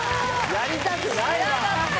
やりたくないわ。